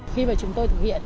khi mà chúng tôi thực hiện